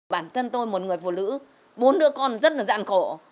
bản thân tôi một người phụ nữ muốn đưa con rất là dạn khổ